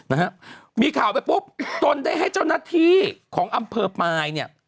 นะฮะมีข่าวไปปุ๊บตนได้ให้เจ้าหน้าที่ของอำเภอปลายเนี่ย